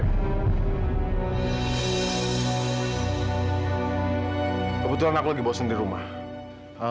kebetulan aku lagi bosen di rumah